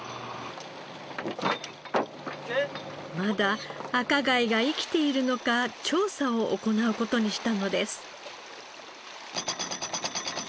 まだ赤貝が生きているのか調査を行う事にしたのです。